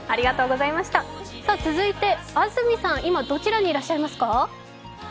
続いて、安住さん、今どちらにいらっしゃいますか？